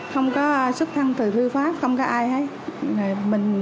không có sức thăng từ thư pháp không có ai hết